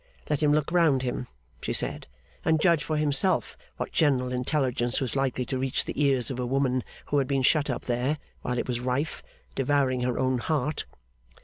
Let him look round him (she said) and judge for himself what general intelligence was likely to reach the ears of a woman who had been shut up there while it was rife, devouring her own heart.